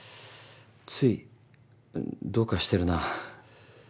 ついどうかしてるな。